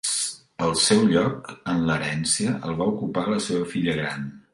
El seu lloc en l'herència el va ocupar la seva filla gran.